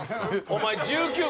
お前。